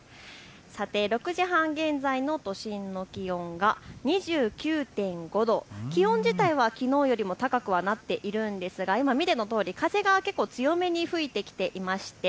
６時半現在の都心の気温が２９．５度、気温自体はきのうよりも高くはなっているんですが今、見てのとおり風が結構、強めに吹いてきていました。